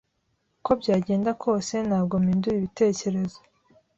uko byagenda kose, ntabwo mpindura ibitekerezo.